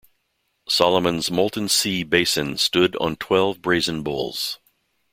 Solomon's "Molten Sea" basin stood on twelve brazen bulls.